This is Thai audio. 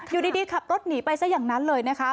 อยู่ดีขับรถหนีไปซะอย่างนั้นเลยนะคะ